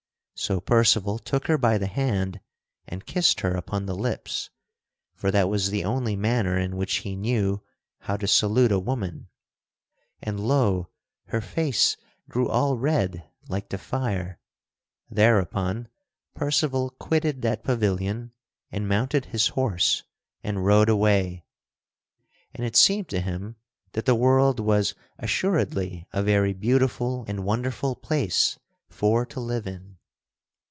So Percival took her by the hand, and kissed her upon the lips (for that was the only manner in which he knew how to salute a woman) and, lo! her face grew all red like to fire. Thereupon Percival quitted that pavilion and mounted his horse and rode away. And it seemed to him that the world was assuredly a very beautiful and wonderful place for to live in.